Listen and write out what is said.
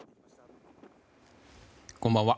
こんばんは。